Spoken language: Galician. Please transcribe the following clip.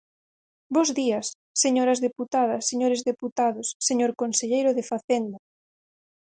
Bos días, señoras deputadas, señores deputados, señor conselleiro de Facenda.